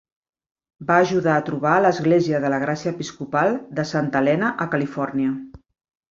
Va ajudar a trobar l'Església de la Gràcia Episcopal de Santa Helena a Califòrnia.